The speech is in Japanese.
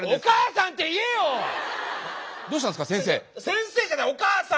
「先生」じゃない「お母さん」！